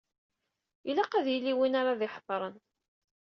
Ilaq ad yili win ara d-iheḍṛen.